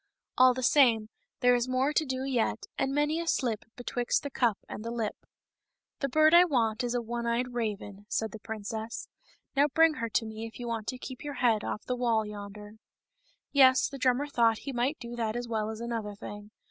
All the same, there is more to do yet, and many a slip betwixt the cup and the lip. "The bird I want is the one eyed raven," said the princess; " Now bring her to me if you want to keep your head off of the wall yonder." Yes ; the drummer thought he might do that as well as another thing.